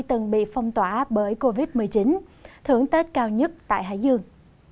từng bị phong tỏa bởi covid một mươi chín thưởng tết cao nhất tại hải dương